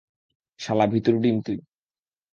শালা, ভীতুর ডিম তুই।